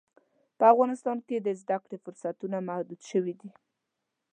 په افغانستان کې د زده کړې فرصتونه محدود شوي دي.